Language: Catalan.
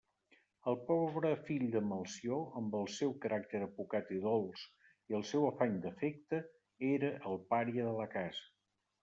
El pobre fill de Melcior, amb el seu caràcter apocat i dolç i el seu afany d'afecte, era el pària de la casa.